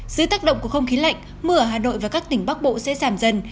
dưới tác động của không khí lạnh mưa ở hà nội và các tỉnh bắc bộ sẽ giảm dần